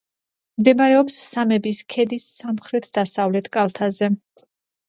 მდებარეობს სამების ქედის სამხრეთ-დასავლეთ კალთაზე.